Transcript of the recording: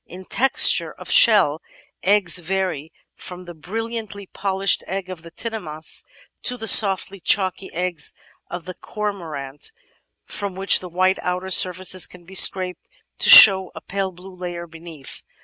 In texture of shell, eggs vary from the brilliantly polished egg of the Tinamous to the soft chalky eggs of the Cormorant, from which the white outer surface can be scraped to show a pale blue layer beneath.